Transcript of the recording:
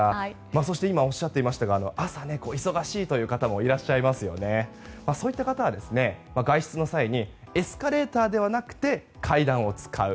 そして今おっしゃっていましたが朝忙しいという方もいらっしゃいますがそういう方は外出の際にエスカレーターではなくて階段を使う。